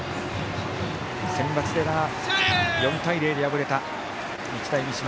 センバツでは４対０で敗れた日大三島。